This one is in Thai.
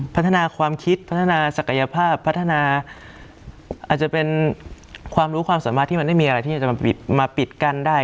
พัฒนาความคิดพัฒนาศักยภาพพัฒนาอาจจะเป็นความรู้ความสามารถที่มันไม่มีอะไรที่จะมาปิดกั้นได้